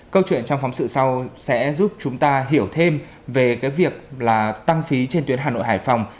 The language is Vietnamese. câu chuyện trong phóng sự sau sẽ giúp chúng ta hiểu thêm về cái việc là tăng phí trên tuyến hà nội hải phòng